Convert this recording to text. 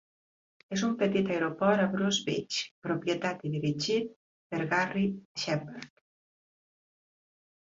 És un petit aeroport a Bruce Beach propietat i dirigit per Garry Shepherd.